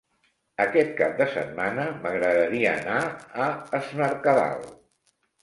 Aquest cap de setmana m'agradaria anar a Es Mercadal.